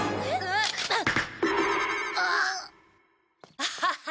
アハハハ。